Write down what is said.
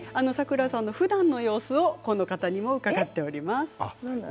ふだんの様子をこの方にも伺っています。